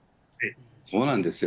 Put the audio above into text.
そうなんですよ。